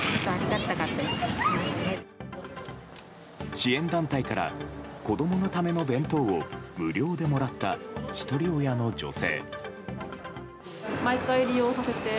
支援団体から子供のための弁当を無料でもらったひとり親の女性。